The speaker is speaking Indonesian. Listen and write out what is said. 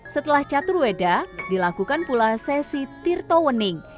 setelah catur weda dilakukan pula sesi tirtawening